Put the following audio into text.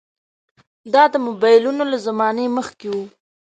دا د موبایلونو له زمانې مخکې وو.